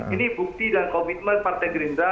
ini bukti dan komitmen partai green drive